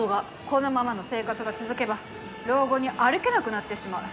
このままの生活が続けば老後に歩けなくなってしまう。